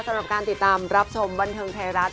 สำหรับการติดตามรับชมบันเทิงไทยรัฐ